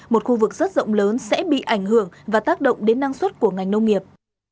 một khu vực rất rộng lớn sẽ bị ảnh hưởng và tác động đến năng suất của ngành nông nghiệp